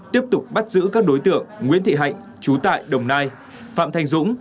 tiếp tục bắt giữ các đối tượng nguyễn thị hạnh chú tại đồng nai phạm thành dũng